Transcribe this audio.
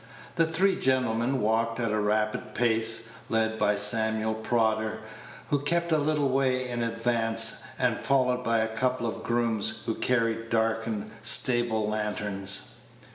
The three gentlemen walked at a rapid pace, led by Samuel Prodder, who kept a little way in advance, and followed by a couple of grooms, who carried darkened stable lanterns.